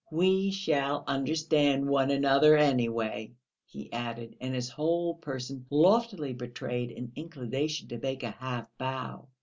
"We shall understand one another, anyway," he added, and his whole person loftily betrayed an inclination to make a half bow.